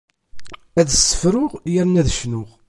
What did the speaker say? Ad ssefruɣ yerna ad cnuɣ.